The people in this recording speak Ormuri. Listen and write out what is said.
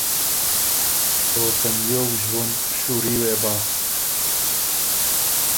او ته نیوو ݫوُند شُوري وې بَۀ۔